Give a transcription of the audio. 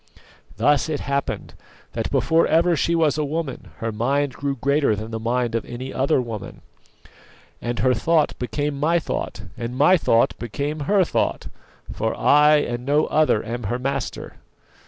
Thus it happened, that before ever she was a woman, her mind grew greater than the mind of any other woman, and her thought became my thought, and my thought became her thought, for I and no other am her master.